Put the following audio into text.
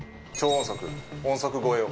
音速超えを。